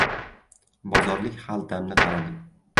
Bozorlik xaltamni qaradim.